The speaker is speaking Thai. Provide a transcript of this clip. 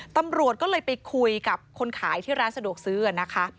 ตำรวจก็เลยไปคุยกับคนขายที่ร้านสะดวกซื้อนะคะ